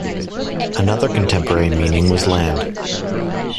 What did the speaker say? Another contemporary meaning was land.